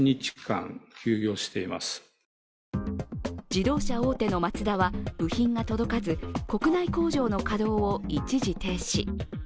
自動車大手のマツダは部品が届かず、国内工場の稼動を一時停止。